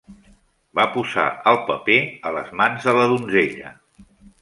Va posar el paper a les mans de la donzella